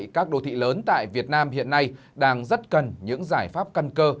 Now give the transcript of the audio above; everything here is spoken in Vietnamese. các đồ thị lớn tại việt nam hiện nay đang rất cần những giải pháp cân cơ